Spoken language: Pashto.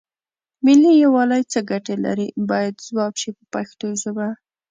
ملي یووالی څه ګټې لري باید ځواب شي په پښتو ژبه.